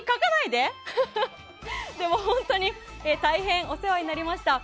でも本当に大変お世話になりました。